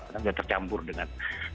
karena sudah tercampur dengan